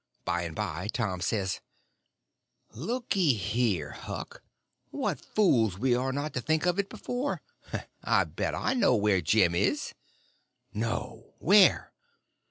By and by Tom says: "Looky here, Huck, what fools we are to not think of it before! I bet I know where Jim is." "No! Where?"